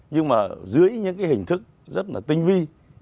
nhưng mà dưới những cái hình thức rất là tinh vi